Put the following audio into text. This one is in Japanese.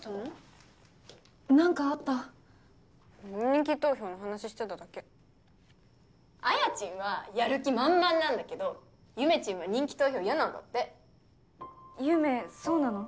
人気投票の話してただけ文ちんはやる気満々なんだけどゆめちんは人気投票嫌なんだってゆめそうなの？